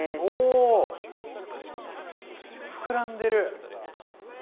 おお膨らんでる！